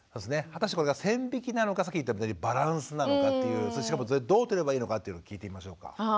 果たしてこれが線引きなのかさっき言ったバランスなのかっていうしかもそれどうとればいいのかっていうのを聞いてみましょうか。